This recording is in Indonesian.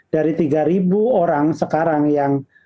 dari tiga orang sekarang yang